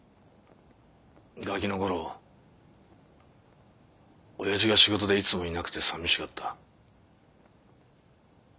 ガキの頃親父が仕事でいつもいなくてさみしかった。